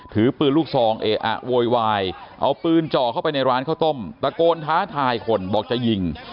ถือปืนลูกซองเอะอะโวยวาย